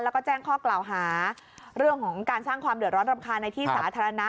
แล้วก็แจ้งข้อกล่าวหาเรื่องของการสร้างความเดือดร้อนรำคาญในที่สาธารณะ